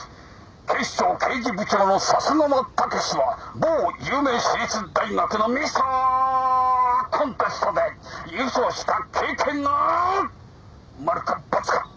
「警視庁刑事部長の笹川健志は某有名私立大学のミスターコンテストで優勝した経験がある」「マルかバツか」